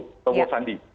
pak prabowo sandi